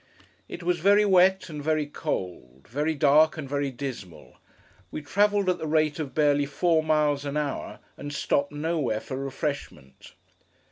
It was very wet, and very cold; very dark, and very dismal; we travelled at the rate of barely four miles an hour, and stopped nowhere for refreshment.